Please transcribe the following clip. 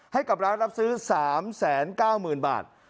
ให้กับร้านรับซื้อ๓๙๐๐๐บาท